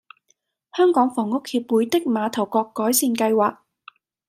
香港房屋協會的馬頭角改善計劃